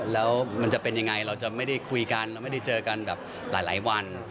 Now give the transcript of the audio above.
แล้วมันจะเป็นยังไงเราจะไม่ได้คุยกันเราไม่ได้เจอกันแบบหลายวัน